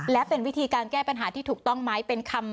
และเป็นวิธีการแก้ปัญหาที่ถูกต้องไหม